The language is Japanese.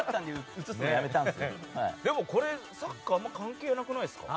でも、これサッカーあんまり関係なくないですか？